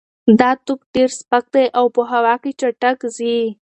دا توپ ډېر سپک دی او په هوا کې چټک ځي.